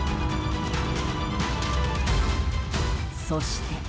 そして。